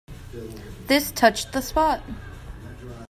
This touched the spot.